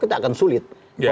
kita akan sulit